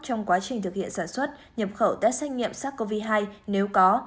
trong quá trình thực hiện sản xuất nhập khẩu test xét nghiệm sars cov hai nếu có